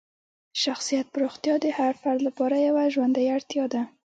شخصیت پراختیا د هر فرد لپاره یوه ژوندۍ اړتیا ده.